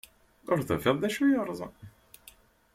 Ur tufiḍ d acu yeṛṛeẓen.